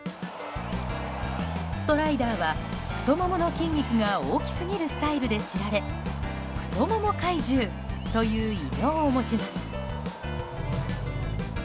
ストライダーは、太ももの筋肉が大きすぎるスタイルで知られ太もも怪獣という異名を持ちます。